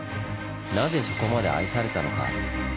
なぜそこまで愛されたのか？